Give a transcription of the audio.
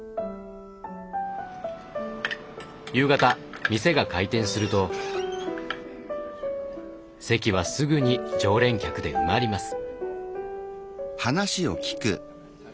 夕方店が開店すると席はすぐに常連客で埋まります。